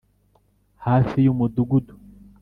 hafi y'umudugudu.